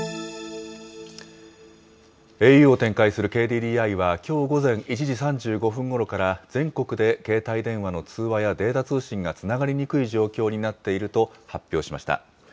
ａｕを展開するＫＤＤＩは、きょう午前１時３５分ごろから、全国で携帯電話の通話やデータ通信がつながりにくい状況になっていると発表しました。